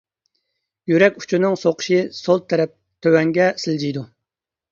يۈرەك ئۇچىنىڭ سوقۇشى سول تەرەپ تۆۋەنگە سىلجىيدۇ.